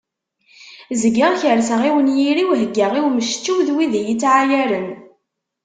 Zgiɣ kerseɣ i unyir-iw, heggaɣ i umcečew d wid iyi-ittɛayaren.